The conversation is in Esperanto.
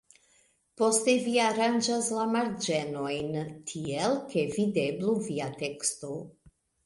Poste vi aranĝas la marĝenojn tiel, ke videblu via teksto.